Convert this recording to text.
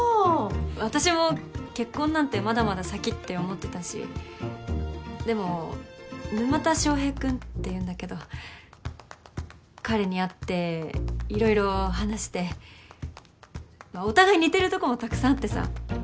私も結婚なんてまだまだ先って思ってたしでも沼田翔平君っていうんだけど彼に会って色々話してお互い似てるとこもたくさんあってさ。